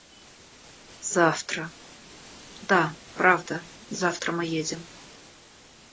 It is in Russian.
Завтра... Да, правда, завтра мы едем.